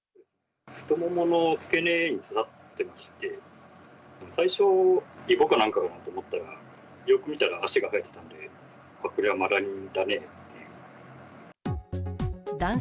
太ももの付け根に刺さってまして、最初、いぼかなんかかと思ったら、よく見たら、足が生えてたんで、これはマダニだねっていう。